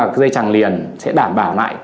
khâu lại cái dây chẳng liền sẽ đảm bảo lại